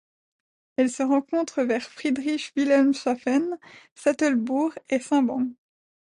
Elle se rencontre vers Friedrich-Wilhelmshafen, Sattelburg et Simbang.